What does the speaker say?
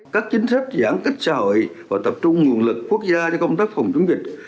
các chính sách giãn kích xã hội và tập trung nguồn lực quốc gia cho công tác phòng chống dịch